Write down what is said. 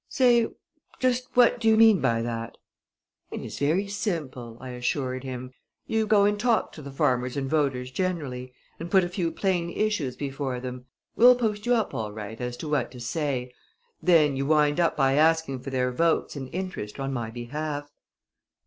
"Say, just what do you mean by that?" "It is very simple," I assured him. "You go and talk to the farmers and voters generally, and put a few plain issues before them we'll post you up all right as to what to say. Then you wind up by asking for their votes and interest on my behalf."